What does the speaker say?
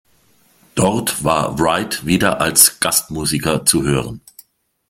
Dort war Wright wieder als Gastmusiker zu hören.